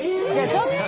ちょっと！